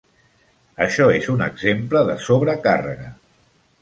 Això és un exemple de sobrecàrrega.